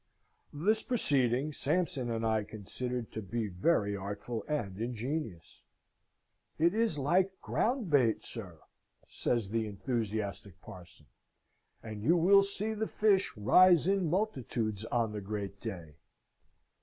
This proceeding Sampson and I considered to be very artful and ingenious. "It is like ground bait, sir," says the enthusiastic parson, "and you will see the fish rise in multitudes, on the great day!"